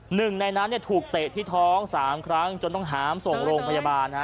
หนึ่งในนั้นถูกเตะที่ท้อง๓ครั้งจนต้องหามส่งโรงพยาบาล